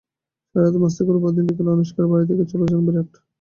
সারারাত মাস্তি করে পরদিন বিকেলে আনুশকার বাড়ি থেকে চলে যান বিরাট।